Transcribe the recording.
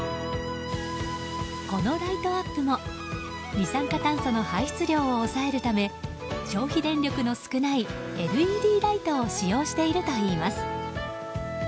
このライトアップも二酸化炭素の排出量を抑えるため消費電力の少ないＬＥＤライトを使用しているといいます。